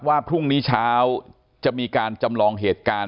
ว่าพรุ่งนี้เช้าจะมีการจำลองเหตุการณ์